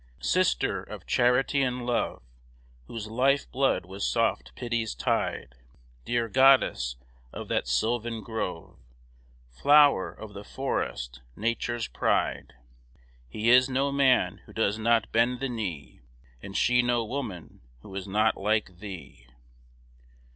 Sister of charity and love, Whose life blood was soft Pity's tide, Dear goddess of the sylvan grove, Flower of the forest, nature's pride, He is no man who does not bend the knee, And she no woman who is not like thee!